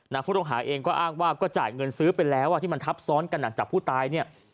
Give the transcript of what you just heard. ผู้ต้องหาเองก็อ้างว่าก็จ่ายเงินซื้อไปแล้วที่มันทับซ้อนกันหนักจากผู้ตายเนี่ย